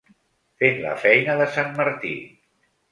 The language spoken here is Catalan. Fent la feina de sant Martí.